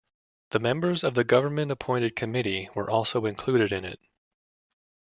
The members of the government appointed committee were also included in it.